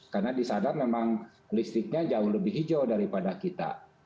karena di sadar memang listriknya jauh lebih hijau daripada kita